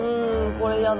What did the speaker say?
これやだ。